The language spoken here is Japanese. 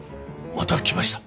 また来ました？